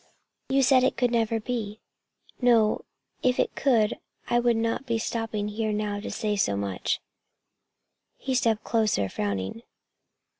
"You said it could never be." "No. If it could, I would not be stopping here now to say so much." He stepped closer, frowning.